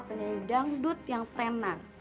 penyanyi dandut yang tenar